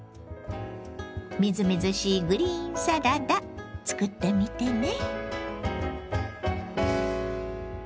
みずみずしいグリーンサラダ作ってみてね。